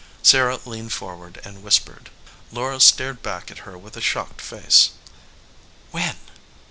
Sarah leaned forward and whispered. Laura stared back at her with a shocked face. "When?"